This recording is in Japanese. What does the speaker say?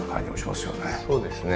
そうですね。